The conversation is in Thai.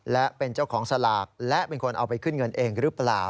และเป็นเจ้าของสลากและเป็นคนเอาไปขึ้นเงินเองหรือเปล่า